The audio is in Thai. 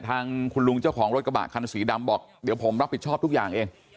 ทางคุณลุงเจ้าของรถกระบะคันสีดำบอกเดี๋ยวผมรับผิดชอบทุกอย่างเอง